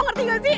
ngerti gak sih